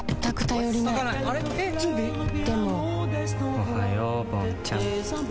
おはようぼんちゃん。